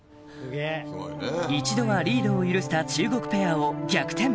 一度はリードを許した中国ペアを逆転